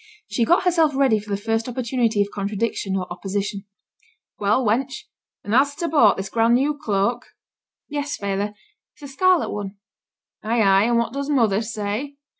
She got herself ready for the first opportunity of contradiction or opposition. 'Well, wench! and has ta bought this grand new cloak?' 'Yes, feyther. It's a scarlet one.' 'Ay, ay! and what does mother say?'